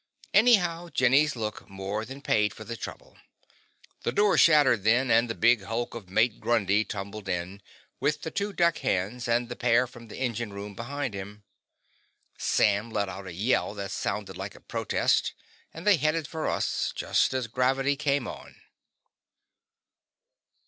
Anyhow, Jenny's look more than paid for the trouble. The door shattered then, and the big hulk of Mate Grundy tumbled in, with the two deckhands and the pair from the engine room behind him. Sam let out a yell that sounded like protest, and they headed for us just as gravity came on.